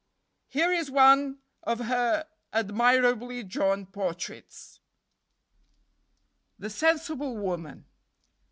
Here is one of her admirably drawn portraits: THE SENSIBLE WOMAN.